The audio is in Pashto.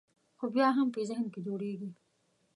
خو بیا هم په ذهن کې جوړېږي.